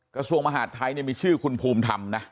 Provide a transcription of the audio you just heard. กระทรวงมหาดไทยมีชื่อคุณภูมิธรรมนะ